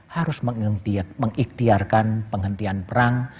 harus mengikhtiarkan penghentian perang